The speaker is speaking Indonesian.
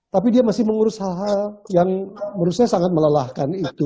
tapi dia masih mengurus hal hal yang menurut saya sangat melelahkan itu